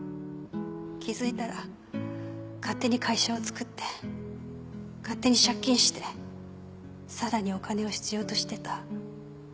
気付いたら勝手に会社をつくって勝手に借金してさらにお金を必要としてた